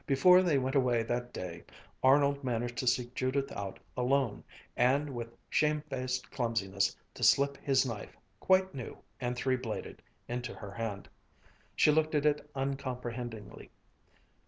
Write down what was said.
Before they went away that day, Arnold managed to seek Judith out alone, and with shamefaced clumsiness to slip his knife, quite new and three bladed, into her hand. She looked at it uncomprehendingly.